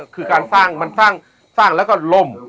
คือการสร้างครั้งเราก็ล่ม